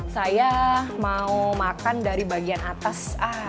saya mau makan dari bagian atas